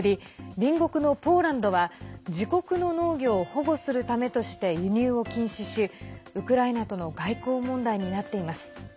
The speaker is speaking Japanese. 隣国のポーランドは自国の農業を保護するためとして輸入を禁止し、ウクライナとの外交問題になっています。